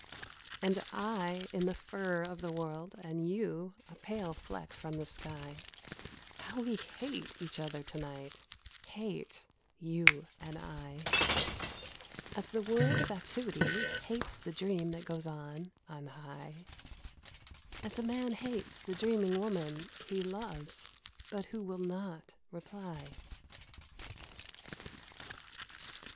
And I in the fur of the world, and you a pale fleck from the sky, How we hate each other to night, hate, you and I, As the world of activity hates the dream that goes on on high, As a man hates the dreaming woman he loves, but who will not reply.